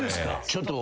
ちょっと。